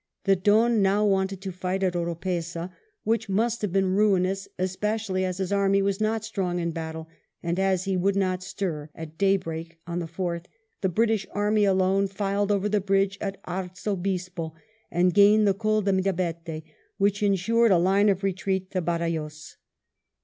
The Don now wanted to fight at Oropeza, which must have been ruinous, especially as his army was not strong in battle ; and as he would not stir, at daybreak on the 4th the British army alone filed over the bridge of Arzobispo and gained the Col de Mirabete, which ensured a line of retreat to Badajoz.